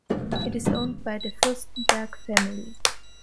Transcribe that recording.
It is owned by the Fürstenberg family.